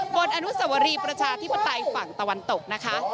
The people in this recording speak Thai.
อนุสวรีประชาธิปไตยฝั่งตะวันตกนะคะ